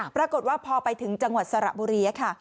ปรากฏว่าพอไปถึงจังหวัดสระบุรีค่ะ